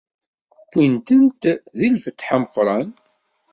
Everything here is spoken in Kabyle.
Wwwin-tent di lfetḥ ameqqran.